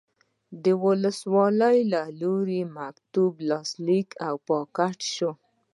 د ولسوال له لوري مکتوب لاسلیک او پاکټ شو.